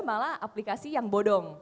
malah aplikasi yang bodong